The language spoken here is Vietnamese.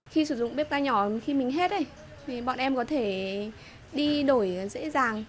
khi sử dụng bếp ga nhỏ khi mình hết này thì bọn em có thể đi đổi dễ dàng